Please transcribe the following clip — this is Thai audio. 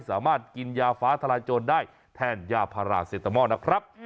สามารถกินยาฟ้าทลายโจรได้แทนยาพาราเซตามอลนะครับ